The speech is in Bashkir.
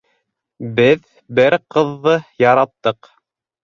Беҙ... бер ҡыҙҙы яраттыҡ.